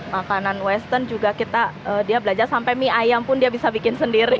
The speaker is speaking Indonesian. makanan western juga kita dia belajar sampai mie ayam pun dia bisa bikin sendiri